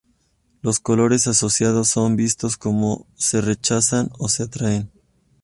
Los colores asociados son vistos como se rechazan o se atraen.